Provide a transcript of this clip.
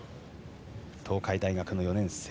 東海大学の４年生。